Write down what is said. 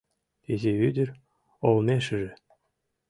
Изи ӱдыр олмешыже